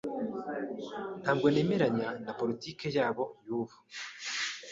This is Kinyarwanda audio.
Ntabwo nemeranya na politiki yabo y'ubu.